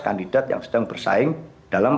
kandidat yang sedang bersaing dalam